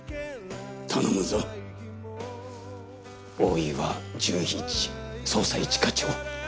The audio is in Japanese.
頼むぞ大岩純一捜査一課長。